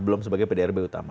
belum sebagai pdrb utama